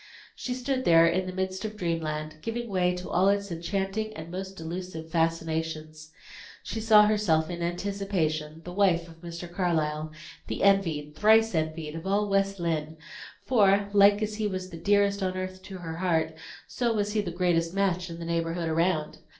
She stood there in the midst of dreamland, giving way to all its enchanting and most delusive fascinations. She saw herself, in anticipation, the wife of Mr. Carlyle, the envied, thrice envied, of all West Lynne; for, like as he was the dearest on earth to her heart, so was he the greatest match in the neighborhood around.